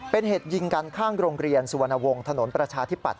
เป็นเหตุยิงกันข้างโรงเรียนสุวรรณวงศ์ถนนประชาธิปัตย